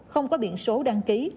không có biện số đăng ký